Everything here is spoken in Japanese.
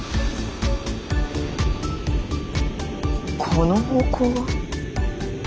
この方向は。